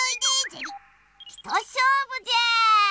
ひとしょうぶじゃ！